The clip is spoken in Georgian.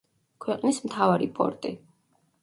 ქვეყნის მთავარი პორტი.